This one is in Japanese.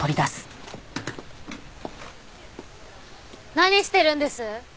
何してるんです？